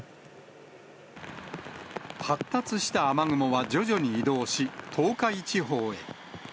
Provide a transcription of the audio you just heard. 発達した雨雲は徐々に移動し、東海地方へ。